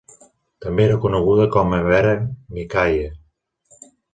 També era coneguda com a Vera Micaia.